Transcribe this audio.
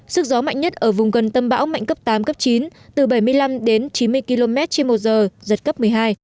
sức gió mạnh nhất ở vùng gần tâm bão mạnh cấp tám cấp chín từ bảy mươi năm đến chín mươi km trên một giờ giật cấp một mươi hai